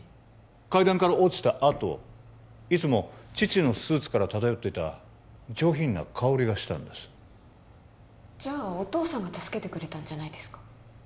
階段から落ちたあといつも父のスーツから漂ってた上品な香りがしたんですじゃお父さんが助けてくれたんじゃないですか？